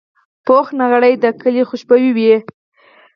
پوخ نغری د کلي خوشبويي وي